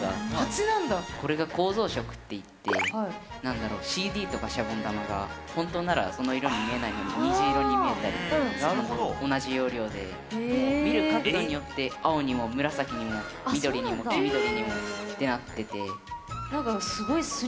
これが「構造色」っていって何だろうＣＤとかシャボン玉が本当ならその色に見えないのに虹色に見えたりするのと同じ要領でもう見る角度によって青にも紫にも緑にも黄緑にもってなってて。